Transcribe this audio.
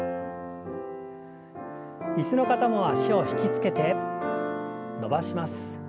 椅子の方も脚を引き付けて伸ばします。